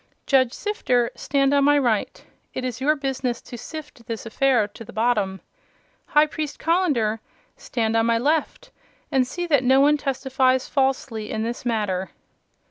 Judge Sifter, stand on my right. It is your business to sift this affair to the bottom. High Priest Colender, stand on my left and see that no one testifies falsely in this matter."